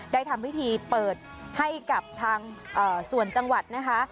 ทำพิธีเปิดให้กับทางส่วนจังหวัดนะคะ